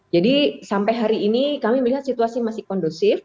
jadi sampai hari ini kami melihat situasi masih kondusif